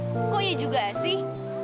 loh kok iya juga sih